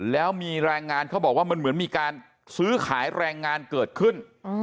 แล้วมีแรงงานเขาบอกว่ามันเหมือนมีการซื้อขายแรงงานเกิดขึ้น